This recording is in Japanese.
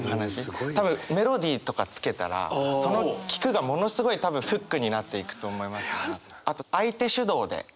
多分メロディーとかつけたらその「聞く」がものすごい多分フックになっていくと思いますね。